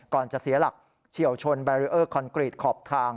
จะเสียหลักเฉียวชนแบรีเออร์คอนกรีตขอบทาง